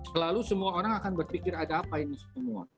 selalu semua orang akan berpikir ada apa ini semua